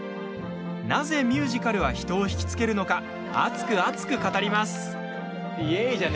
なぜミュージカルは人を引きつけるのか熱く熱く語ります。